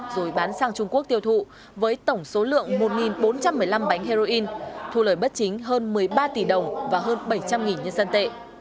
rồi bán sang trung quốc tiêu thụ với tổng số lượng một bốn trăm một mươi năm bánh heroin thu lời bất chính hơn một mươi ba tỷ đồng và hơn bảy trăm linh nhân dân tệ